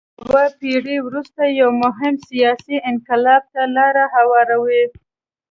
یوه پېړۍ وروسته یو مهم سیاسي انقلاب ته لار هواروي.